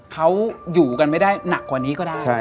เขาอยู่กันไม่ได้หนักกว่านี้ก็ได้